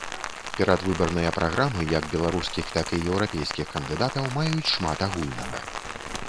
Перадвыбарныя праграмы як беларускіх, так і еўрапейскіх кандыдатаў маюць шмат агульнага.